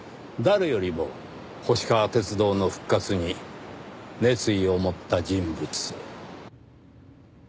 誰よりも星川鐵道の復活に熱意を持った人物。